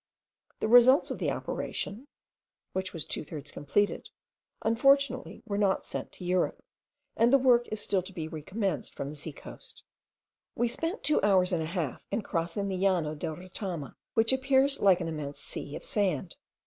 The results of the operation, (which was two thirds completed,) unfortunately were not sent to Europe, and the work is still to be recommenced from the sea coast. We spent two hours and a half in crossing the Llano del Retama, which appears like an immense sea of sand.